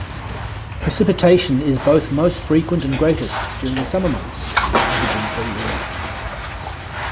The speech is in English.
Precipitation is both most frequent and greatest during the summer months, averaging per year.